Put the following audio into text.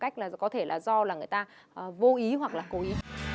có thể là do người ta vô ý hoặc là cố ý